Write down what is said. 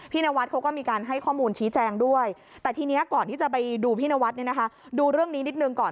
นวัดเขาก็มีการให้ข้อมูลชี้แจงด้วยแต่ทีนี้ก่อนที่จะไปดูพี่นวัดเนี่ยนะคะดูเรื่องนี้นิดนึงก่อน